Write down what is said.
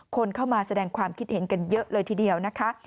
คนเข้ามาแสดงความคิดเห็นกันเยอะเลยทีเดียวนะคะ